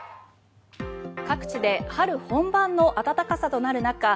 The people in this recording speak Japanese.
各地で春本番の暖かさとなる中